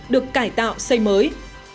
được cải tạo xây mới